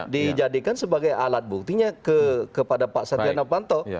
dijadikan sebagai alat buktinya kepada pak setia novanto